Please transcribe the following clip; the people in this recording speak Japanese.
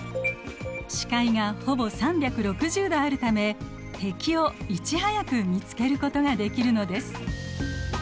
視界がほぼ３６０度あるため敵をいち早く見つけることができるのです。